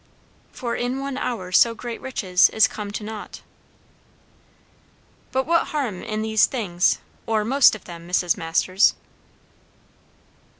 "' For in one hour so great riches is come to nought.'" "But what harm in these things, or most of them, Mrs. Masters?"